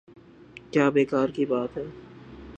کیا بیکار کی بات ہے۔